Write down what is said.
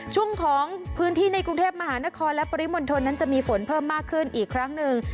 ช่วงของพื้นที่ในกรุงเทพมหานครและปริมณฑลนั้นจะมีฝนเพิ่มมากขึ้นอีกครั้งหนึ่ง